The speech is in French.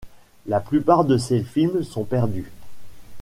La plupart de ses films sont perdus.